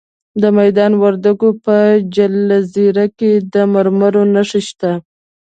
د میدان وردګو په جلریز کې د مرمرو نښې شته.